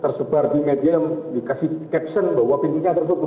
tersebar di media yang dikasih caption bahwa pintunya terbuka